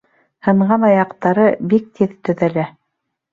Һынған аяҡтары бик тиҙ төҙәлә.